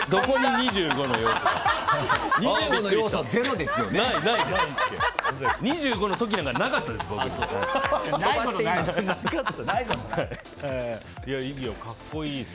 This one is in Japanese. ２５の時なんかなかったです。